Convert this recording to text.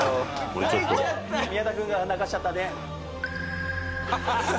「宮田君が泣かせちゃったね」